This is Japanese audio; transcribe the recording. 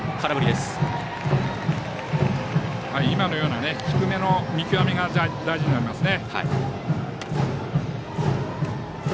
今のような低めの見極めが大事になりますね。